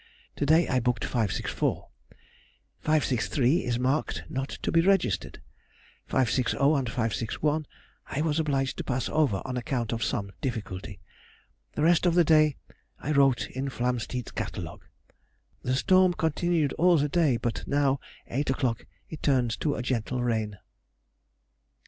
To day I booked 564; 563 is marked not to be registered; 560 and 561 I was obliged to pass over on account of some difficulty. The rest of the day I wrote in Flamsteed's Catalogue. The storm continued all the day, but now, 8 o'clock, it turns to a gentle rain.